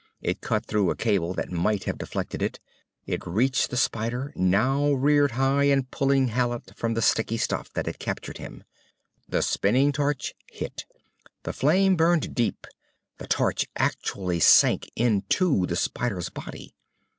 It cut through a cable that might have deflected it. It reached the spider, now reared high and pulling Hallet from the sticky stuff that had captured him. The spinning torch hit. The flame burned deep. The torch actually sank into the spider's body.